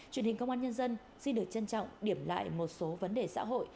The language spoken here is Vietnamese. truyền hình công an nhân dân xin được trân trọng điểm lại một số vấn đề xã hội